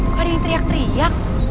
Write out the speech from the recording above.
kok ada yang teriak teriak